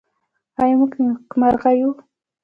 آیا موږ نېکمرغه یو؟